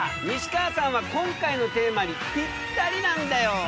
西川さんは今回のテーマにぴったりなんだよ！